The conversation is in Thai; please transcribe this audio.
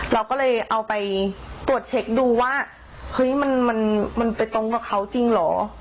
เราก็เลยเอาไปตรวจเช็คดูว่าเฮ้ยมันไปตรงกับเขาจริงเหรอ